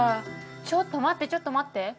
ちょっと待ってちょっと待って！